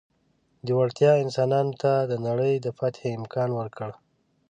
دې وړتیا انسانانو ته د نړۍ د فتحې امکان ورکړ.